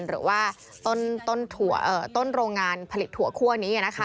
หรือว่าต้นโรงงานผลิตถั่วคั่วนี้